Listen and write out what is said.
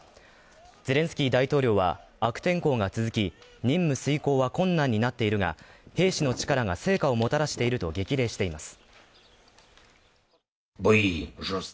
ゼレンスキー大統領は悪天候が続き、任務遂行は困難になっているが、兵士の力が成果をもたらしていると激励しています。